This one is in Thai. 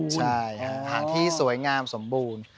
ใช่หางที่สวยงามสมบูรณ์